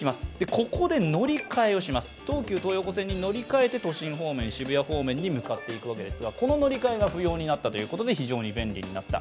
ここで乗り換えをします、東急東横線に乗り換えて都心、渋谷方面に向かいますがこの乗り換えが不要になったということで非常に便利になった。